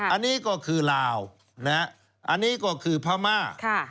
อันนี้ก็คือลาวอันนี้ก็คือพม่า